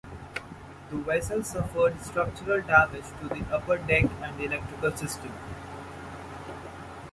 The vessel suffered structural damage to the upper deck and to the electrical system.